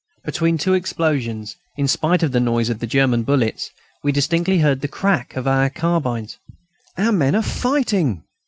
Between two explosions, in spite of the noise of the German bullets, we distinctly heard the crack of our carbines. "Our men are fighting!"